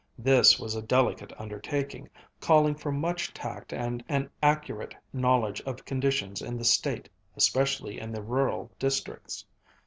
This was a delicate undertaking, calling for much tact and an accurate knowledge of conditions in the State, especially in the rural districts.